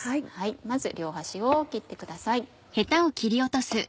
まず両端を切ってください。